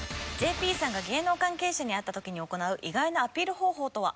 ＪＰさんが芸能関係者に会った時に行う意外なアピール方法とは？